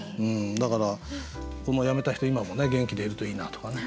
だからこの辞めた人今も元気でいるといいなとかね。